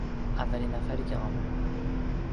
اولین نفری که آمد